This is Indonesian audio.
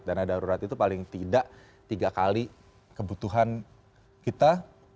dana darurat itu paling tidak tiga kali kebutuhan kita